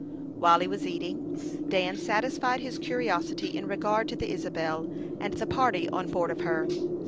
While he was eating, Dan satisfied his curiosity in regard to the Isabel and the party on board of her.